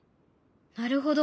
なるほど。